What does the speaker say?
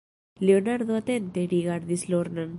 Leonardo atente rigardis Lornan.